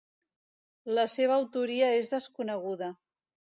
La seva autoria és desconeguda.